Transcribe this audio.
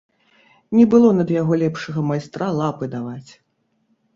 Не было над яго лепшага майстра лапы даваць.